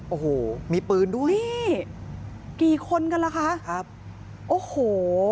โอ้โหมีปืนด้วยนี่กี่คนกันล่ะคะครับโอ้โห